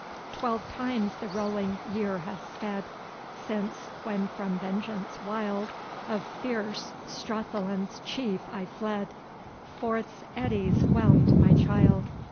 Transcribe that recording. "Twelve times the rolling year has sped, Since, when from vengeance wild Of fierce Strathallan's Chief I fled, Forth's eddies whelm'd my child."